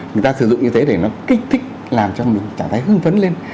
người ta sử dụng như thế để nó kích thích làm cho mình cảm thấy hưng phấn lên